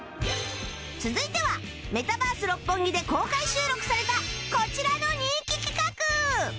続いてはメタバース六本木で公開収録されたこちらの人気企画！